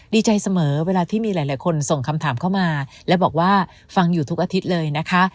ดีใจเสมอเวลาที่มีหลายคนส่งคำถามเข้ามาและบอกว่าฟังอยู่ทุกอาทิตย์เลยนะคะ